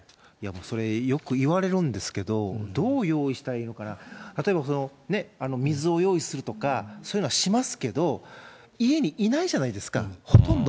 それ、よく言われるんですけど、どう用意したらいいのかな、例えば水を用意するとか、そういうのはしますけど、家にいないじゃないですか、ほとんど。